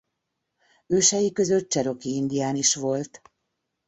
Ősei között cseroki indián is volt.